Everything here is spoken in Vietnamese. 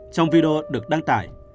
trong video được đăng tải